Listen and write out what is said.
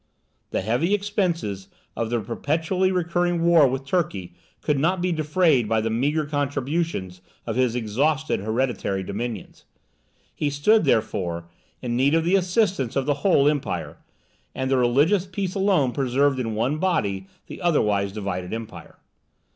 The heavy expenses of the perpetually recurring war with Turkey could not be defrayed by the meagre contributions of his exhausted hereditary dominions. He stood, therefore, in need of the assistance of the whole empire; and the religious peace alone preserved in one body the otherwise divided empire.